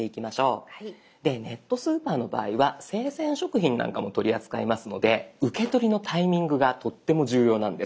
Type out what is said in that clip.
でネットスーパーの場合は生鮮食品なんかも取り扱いますので受け取りのタイミングがとっても重要なんです。